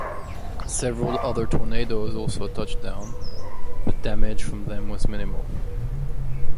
Several other tornadoes also touched down but damage from them was minimal.